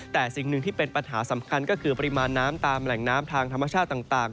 แต่สิ่งหนึ่งที่เป็นปัญหาสำคัญก็คือปริมาณน้ำตามแหล่งน้ำทางธรรมชาติต่าง